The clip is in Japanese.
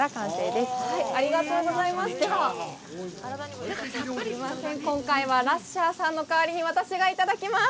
では、今回はラッシャーさんの代わりに私がいただきます。